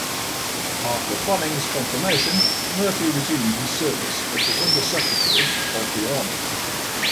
After Fanning's confirmation, Murphy resumed his service as the Under Secretary of the Army.